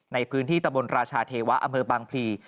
ในพื้นที่ตะบนราชาเทวะอำเภอบางพลี